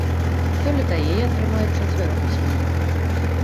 Сёлета яе атрымаюць чацвёра пісьменнікаў.